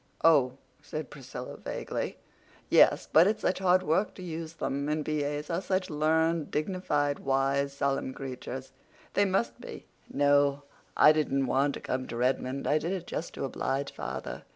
"Oh!" said Priscilla vaguely. "Yes. But it's such hard work to use them. And B.A.'s are such learned, dignified, wise, solemn creatures—they must be. No, I didn't want to come to Redmond. I did it just to oblige father.